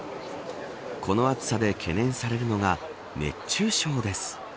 この暑さで懸念されるのが熱中症です。